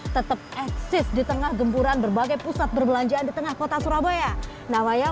tetap eksis di tengah gempuran berbagai pusat perbelanjaan di tengah kota surabaya namanya